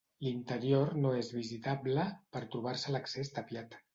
L'interior no és visitable per trobar-se l'accés tapiat.